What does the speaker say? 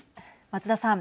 松田さん。